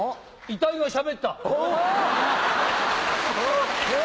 遺体がしゃべった。